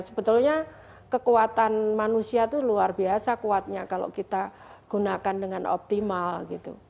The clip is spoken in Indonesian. sebetulnya kekuatan manusia itu luar biasa kuatnya kalau kita gunakan dengan optimal gitu